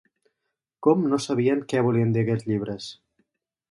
Com no sabien què volien dir aquells llibres